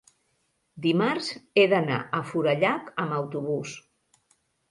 dimarts he d'anar a Forallac amb autobús.